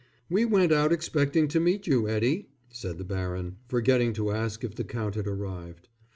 "We went out expecting to meet you, Eddie," said the baron, forgetting to ask if the count had arrived.